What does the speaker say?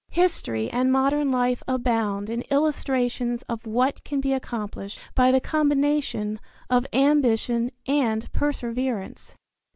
History and modern life abound in illustrations of what can be accomplished by the combination of ambition and perseverance.